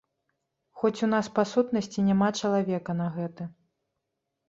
Хоць у нас па сутнасці няма чалавека на гэта.